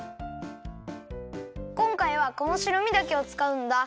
こんかいはこの白身だけをつかうんだ。